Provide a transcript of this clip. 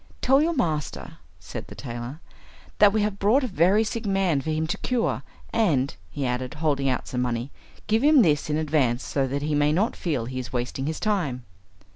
"Tell your master," said the tailor, "that we have brought a very sick man for him to cure; and," he added, holding out some money, "give him this in advance, so that he may not feel he is wasting his time."